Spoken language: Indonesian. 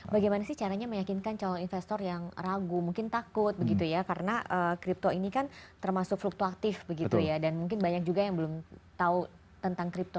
bagaimana sih caranya meyakinkan calon investor yang ragu mungkin takut begitu ya karena kripto ini kan termasuk fluktuatif begitu ya dan mungkin banyak juga yang belum tahu tentang kripto